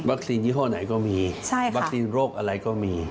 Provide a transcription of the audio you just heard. ยี่ห้อไหนก็มีวัคซีนโรคอะไรก็มี